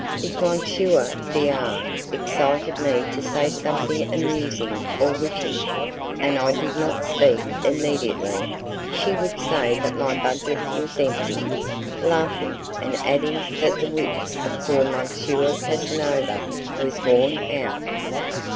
If M. D R excited me to say something amusing or witty, and I did not speak immediately, she would say that my budget was empty, laughing, and adding that the wit of poor M. Casanova was worn out.